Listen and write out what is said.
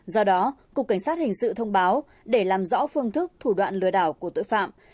do đó cục cảnh sát hình sự thông báo để làm rõ phương thức thủ đoạn lừa đảo của tội phạm